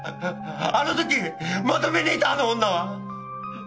あの時窓辺にいたあの女は！